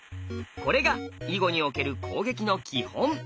これが囲碁における攻撃の基本。